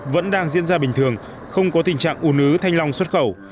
vẫn đang diễn ra bình thường không có tình trạng ủ nứ thanh long xuất khẩu